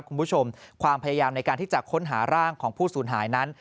คุณผู้ชมความพยายามในการที่จะค้นหาร่างของผู้สูญหายนั้น